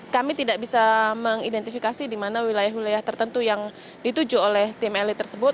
kami tidak bisa mengidentifikasi di mana wilayah wilayah tertentu yang dituju oleh tim elit tersebut